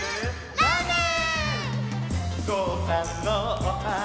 「ラーメン！」